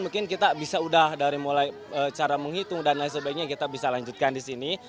mungkin kita bisa udah dari mulai cara menghitung dan lain sebagainya kita bisa lanjutkan di sini